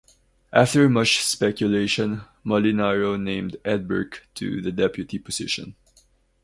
After much speculation Molinaro named Ed Burke to the Deputy position.